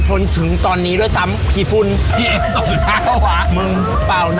เปล่าน้ำผีหมด